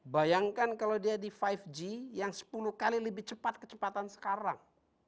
bayangkan kalau dia di lima g yang sepuluh kali lebih cepat kecepatan sekarang